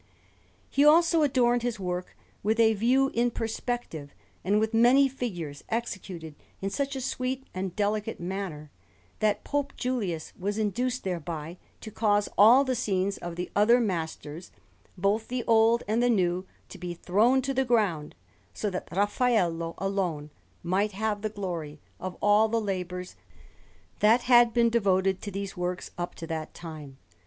He also adorned this work with a view in perspective and with many figures, executed in such a sweet and delicate manner, that Pope Julius was induced thereby to cause all the scenes of the other masters, both the old and the new, to be thrown to the ground, so that Raffaello alone might have the glory of all the labours that had been devoted to these works up to that time.